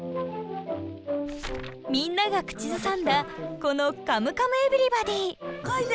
みんなが口ずさんだこの「カムカムエヴリバディ」